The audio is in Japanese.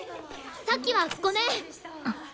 さっきはごめん！